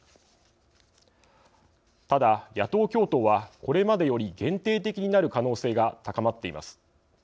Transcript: ただ野党共闘はこれまでより限定的になる可能性が高まっています。